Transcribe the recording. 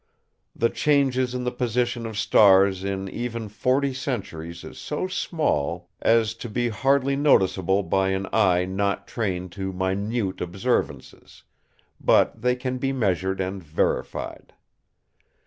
The changes in the position of stars in even forty centuries is so small as to be hardly noticeable by an eye not trained to minute observances, but they can be measured and verified.